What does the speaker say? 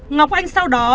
ngọc anh sau đó